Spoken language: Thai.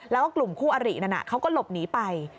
แล้วก็กลุ่มคู่อรินั้นเขาก็หลบหนีไป